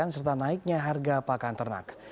serta naiknya harga pakan ternak